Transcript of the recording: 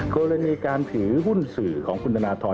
กรณีการถือหุ้นสื่อของคุณธนทร